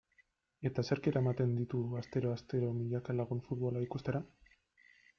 Eta zerk eramaten ditu astero-astero milaka lagun futbola ikustera?